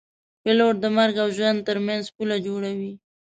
پیلوټ د مرګ او ژوند ترمنځ پل جوړوي.